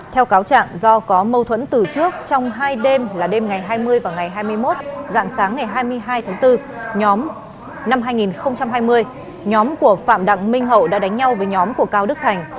theo cáo trạng do có mâu thuẫn từ trước trong hai đêm là đêm ngày hai mươi và ngày hai mươi một dạng sáng ngày hai mươi hai tháng bốn năm hai nghìn hai mươi nhóm của phạm đặng minh hậu đã đánh nhau với nhóm của cao đức thành